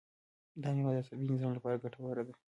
دا مېوه د عصبي نظام لپاره ګټوره ده.